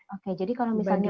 oke jadi kalau misalnya